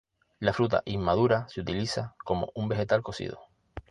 La fruta inmadura se utiliza como un vegetal cocido.